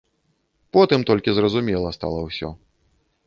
Потым толькі зразумела стала ўсё.